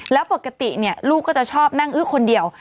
แล้วปกติลูกก็จะชอบนั่งอื้อคนเดียว